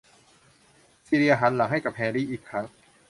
ซีเลียหันหลังให้แฮร์รี่อีกครั้ง